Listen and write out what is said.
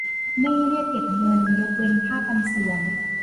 ไม่เรียกเก็บเงิน ยกเว้นค่าปันส่วน